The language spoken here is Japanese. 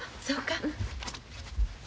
そうか。